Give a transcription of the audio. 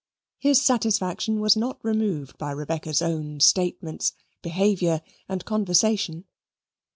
His satisfaction was not removed by Rebecca's own statements, behaviour, and conversation.